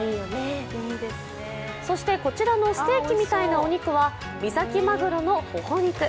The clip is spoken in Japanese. そしてこちらのステーキみたいなお肉は三崎マグロのほほ肉。